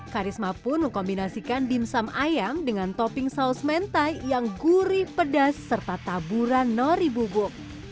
karisma pun mengkombinasikan dimsum ayam dengan topping saus mentai yang gurih pedas serta taburan nori bubuk